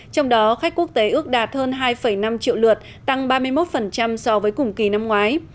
trong đó khách quốc tế ước đạt hơn hai năm triệu lượt tăng ba mươi một so với cùng kỳ năm ngoái